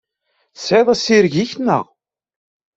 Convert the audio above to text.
Tesɛiḍ assireg-ik, naɣ?